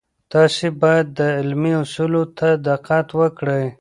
تاسې باید د علمي اصولو ته دقت وکړئ.